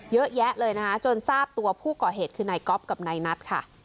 เยอะแยะเลยนะคะจนทราบตัวผู้ก่อเหตุคือนายก๊อฟกับนายนัทค่ะ